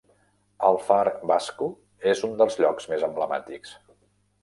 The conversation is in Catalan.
El Far Basco és un dels llocs més emblemàtics.